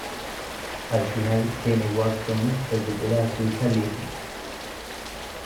Al final Gene Watson recupera a su hija Lynn.